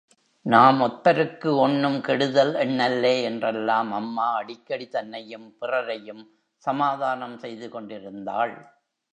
நாம் ஒத்தருக்கு ஒண்ணும் கெடுதல் எண்ணல்லே என்றெல்லாம் அம்மா அடிக்கடி தன்னையும், பிறரையும் சமாதானம் செய்து கொண்டிருந்தாள்.